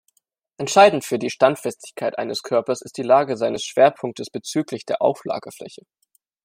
Entscheidend für die Standfestigkeit eines Körpers ist die Lage seines Schwerpunktes bezüglich der Auflagefläche.